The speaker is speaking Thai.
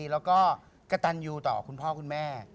และกระตันอยู่ต่อคุณพ่อคุณแม่